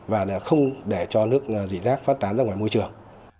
và không để cho nước dỉ rác phát tán ra ngoài môi trường